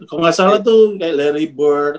kalau gak salah tuh kayak larry bird